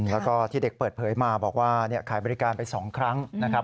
แล้วก็ที่เด็กเปิดเผยมาบอกว่าขายบริการไป๒ครั้งนะครับ